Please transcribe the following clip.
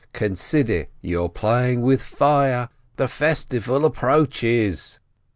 Consider, you're playing with fire, the festival approaches."